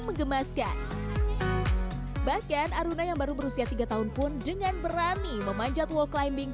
mengemaskan bahkan aruna yang baru berusia tiga tahun pun dengan berani memanjat walk climbing